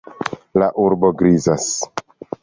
La urbo grizas.